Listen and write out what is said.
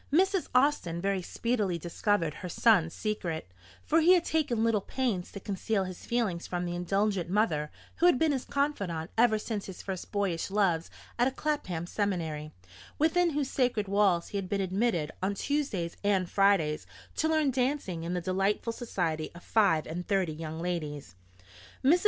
Mrs. Austin very speedily discovered her son's secret; for he had taken little pains to conceal his feelings from the indulgent mother who had been his confidante ever since his first boyish loves at a Clapham seminary, within whose sacred walls he had been admitted on Tuesdays and Fridays to learn dancing in the delightful society of five and thirty young ladies. Mrs.